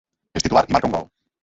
És titular i marca un gol.